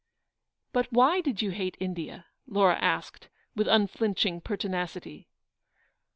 "But why did you hate India?'' Laura asked, with unflinching pertinacity.